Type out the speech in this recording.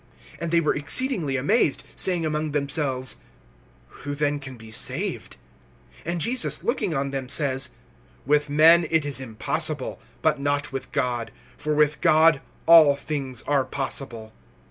(26)And they were exceedingly amazed, saying among themselves: Who then can be saved? (27)And Jesus, looking on them, says: With men it is impossible, but not with God; for with God all things are possible.